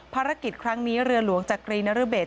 ภารกิจครั้งนี้เรือหลวงจักรีนรเบศ